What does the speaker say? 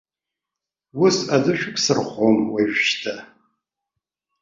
Ус адәы шәықәсырхом уажәшьҭа.